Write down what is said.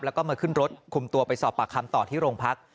แล้วก็มาขึ้นรถคุมตัวไปสอบปากคำต่อที่โรงพัก